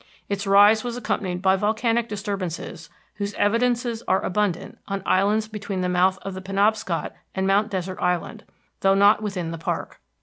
Its rise was accompanied by volcanic disturbances, whose evidences are abundant on islands between the mouth of the Penobscot and Mount Desert Island, though not within the park.